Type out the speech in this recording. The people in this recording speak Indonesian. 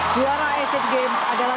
juara a tujuh games adalah